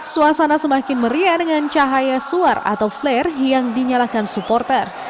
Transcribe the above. suasana semakin meriah dengan cahaya suar atau flare yang dinyalakan supporter